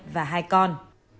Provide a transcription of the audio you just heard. và hai con